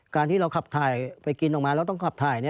การที่เราขับถ่ายไปกินออกมาแล้วต้องขับถ่าย